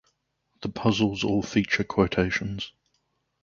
The puzzles all feature quotations.